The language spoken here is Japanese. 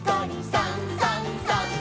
「さんさんさん」